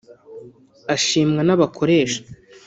ashimwa n’abakoresha…